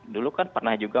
dulu kan pernah juga